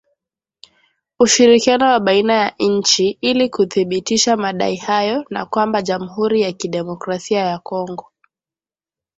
Ushirikiano wa baina ya nchi ili kuthibitisha madai hayo na kwamba Jamuhuri ya Kidemokrasia ya Kongo